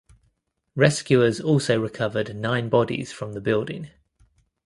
Rescuers also recovered nine bodies from the building.